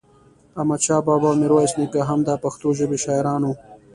احمد شاه بابا او ميرويس نيکه هم دا پښتو ژبې شاعران وو